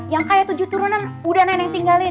yang kayak tujuh turunan udah nenek tinggalin